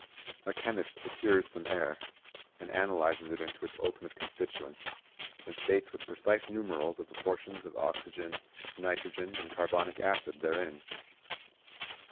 A chemist secures some air, and analyses it into its ultimate constituents, and states with precise numerals the proportions of oxygen, nitrogen, and carbonic acid therein.